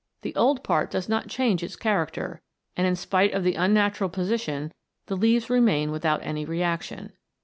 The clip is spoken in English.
The old part does not change its character, and in spite of the unnatural position the leaves remain without any reaction.